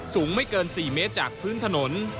สูงไม่เกิน๔เมตรจากพื้นถนน